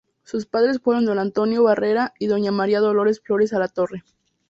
Sus padres fueron Don Antonio Barreda y Doña María Dolores Flores Alatorre.